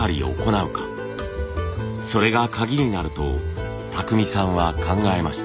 それがカギになると巧さんは考えました。